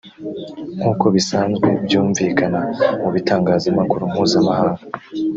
nk’uko bisanzwe byumvikana mu bitangazamakuru mpuzamahanga”